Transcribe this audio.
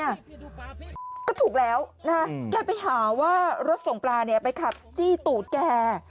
ก็ถูกแล้วนะแกไปหาว่ารถส่งปลาเนี่ยไปขับจี้ตูดแก